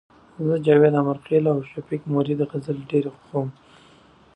زه د جاوید امرخیل او شفیق مرید غزلي ډيري خوښوم